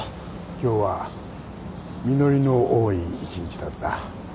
今日は実りの多い一日だった。